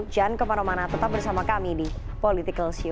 jangan kemana mana tetap bersama kami di political show